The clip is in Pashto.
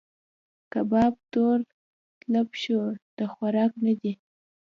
کباب تور تلب شو؛ د خوراک نه دی.